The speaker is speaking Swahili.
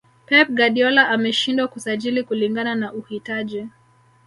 pep guardiola ameshindwa kusajili kulingana na uhitaji